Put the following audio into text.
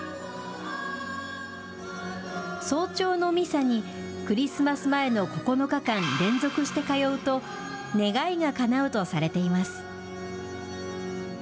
早朝のミサにクリスマス前の９日間、連続して通うと、願いがかなうとされています。